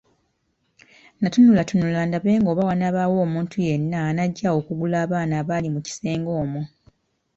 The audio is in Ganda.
Natunula tunula ndabe oba wanaabaawo omuntu yenna anajja okugula abaana abaali mu kisenge omwo.